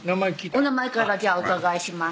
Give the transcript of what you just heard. お名前からお伺いします